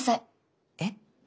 えっ？